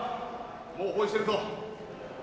もう包囲してるぞ。